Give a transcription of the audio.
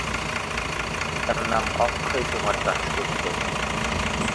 পিতার নাম অক্ষয়কুমার দাশগুপ্ত।